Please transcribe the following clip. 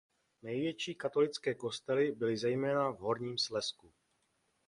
Největší katolické kostely byly zejména v Horním Slezsku.